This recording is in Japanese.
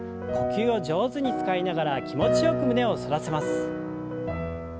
呼吸を上手に使いながら気持ちよく胸を反らせます。